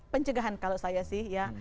pencegahan kalau saya sih ya